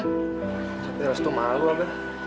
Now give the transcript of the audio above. tapi rostu malu abah